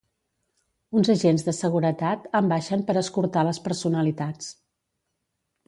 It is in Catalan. Uns agents de seguretat en baixen per escortar les personalitats.